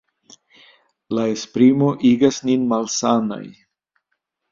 La esprimo igas nin malsanaj.